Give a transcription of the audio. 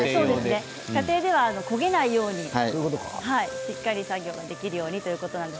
家庭では焦げないようにしっかり作業ができるようにということです。